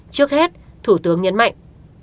trước hết thủ tướng nhấn mạnh